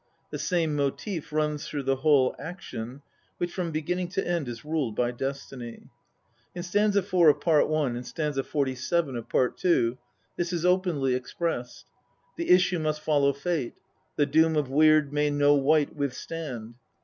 The same motive runs through the whole action, which from beginning to end is ruled by destiny. In st. 4 of Part I. and st. 47 of Part II. this is openly expressed "The issue must follow fate," "The doom of Weird may no wight withstand."